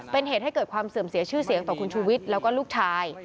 เป็นเหตุให้เกิดความเสื่อมเสียชื่อเสียงต่อคุณชูวิทย์แล้วก็ลูกชาย